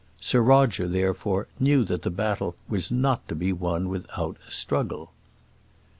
Sir Roger, therefore, knew that the battle was not to be won without a struggle.